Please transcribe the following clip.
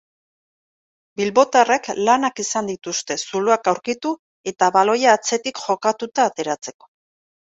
Bilbotarrek lanak izan dituzte zuloak aurkitu eta baloia atzetik jokatuta ateratzeko.